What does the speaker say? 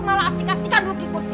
malah asik asikan duduk di kursi